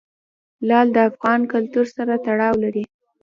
لعل د افغان کلتور سره تړاو لري.